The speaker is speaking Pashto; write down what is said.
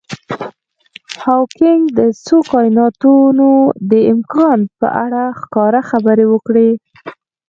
هاوکېنګ د څو کایناتونو د امکان په اړه ښکاره خبرې وکړي.